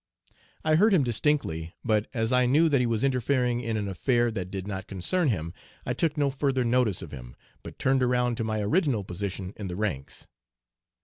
I heard him distinctly, but as I knew that he was interfering in an affair that did not concern him, I took no further notice of him, but turned around to my original position in the ranks.